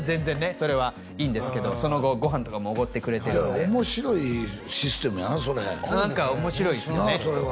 それはいいんですけどその後ご飯とかもおごってくれてるのでおもしろいシステムやなそれ何かおもしろいですよね